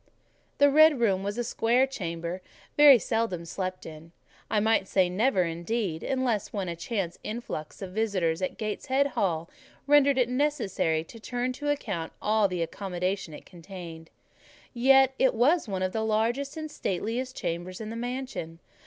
The red room was a square chamber, very seldom slept in, I might say never, indeed, unless when a chance influx of visitors at Gateshead Hall rendered it necessary to turn to account all the accommodation it contained: yet it was one of the largest and stateliest chambers in the mansion.